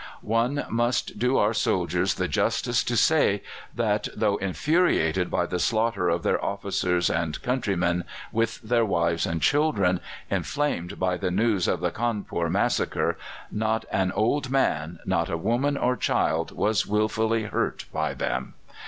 One must do our soldiers the justice to say that, though infuriated by the slaughter of their officers and countrymen, with their wives and children, inflamed by the news of the Cawnpore massacre, not an old man, not a woman or child, was wilfully hurt by them.